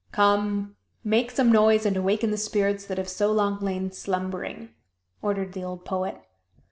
"Come, make some noise and awaken the spirits that have so long lain slumbering!" ordered the old poet.